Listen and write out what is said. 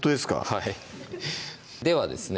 はいではですね